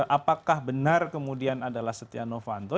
apakah benar kemudian adalah setia novanto